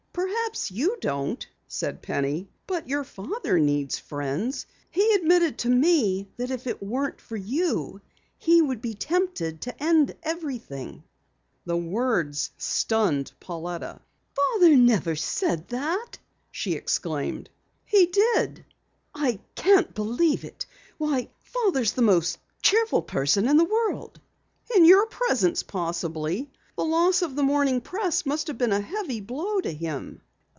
"Perhaps you don't," said Penny, "but your father needs friends. He admitted to me that if it weren't for you he would be tempted to end everything." The words stunned Pauletta. "Father never said that!" she exclaimed. "He did." "I can't believe it. Why, Father's the most cheerful person in the world!" "In your presence, possibly. The loss of the Morning Press must have been a heavy blow to him."